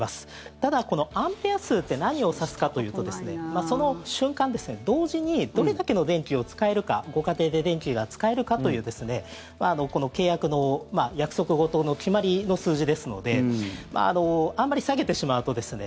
ただ、このアンペア数って何を指すかというとですねその瞬間、同時にどれだけの電気を使えるかご家庭で電気が使えるかという契約の約束事の決まりの数字ですのであまり下げてしまうとですね